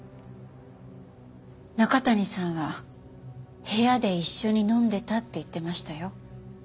中谷さんは部屋で一緒に飲んでたって言ってましたよ。